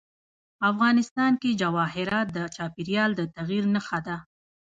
افغانستان کې جواهرات د چاپېریال د تغیر نښه ده.